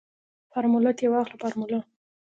فارموله تې واخله فارموله.